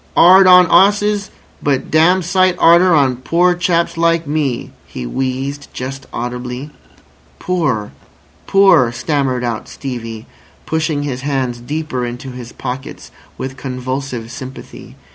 "'Ard on 'osses, but dam' sight 'arder on poor chaps like me," he wheezed just audibly. "Poor! Poor!" stammered out Stevie, pushing his hands deeper into his pockets with convulsive sympathy.